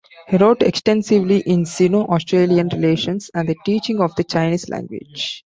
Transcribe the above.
He wrote extensively on Sino-Australian relations and the teaching of the Chinese language.